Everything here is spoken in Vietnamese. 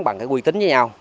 bằng cái quy tính với nhau